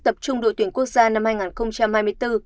tập trung đội tuyển quốc gia năm hai nghìn hai mươi bốn